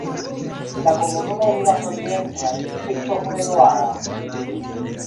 La komunumo limas oriente al distrikto Hunedoara.